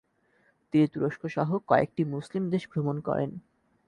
তিনি তুরস্ক সহ কয়েকটি মুসলিম দেশ ভ্রমণ করেন।